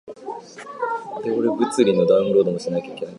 トンネルの開削に従事する